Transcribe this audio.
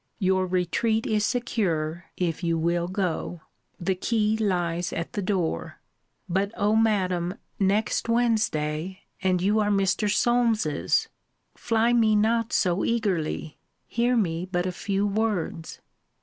Your retreat is secure, if you will go: the key lies at the door. But, O Madam, next Wednesday, and you are Mr. Solmes's! Fly me not so eagerly hear me but a few words.